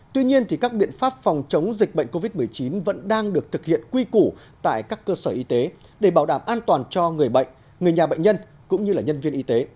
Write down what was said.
tuy nhiên các biện pháp phòng chống dịch bệnh covid một mươi chín vẫn đang được thực hiện quy củ tại các cơ sở y tế để bảo đảm an toàn cho người bệnh người nhà bệnh nhân cũng như nhân viên y tế